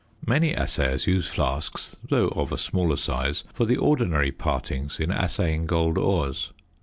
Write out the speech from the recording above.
Many assayers use flasks, though of a smaller size, for the ordinary partings in assaying gold ores.